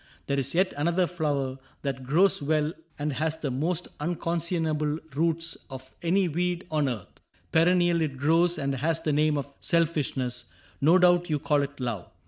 There 's yet another flower that grows well And has the most unconscionable roots Of any weed on earth. Perennial It grows, and has the name of Selfishness ; No doubt you call it Love.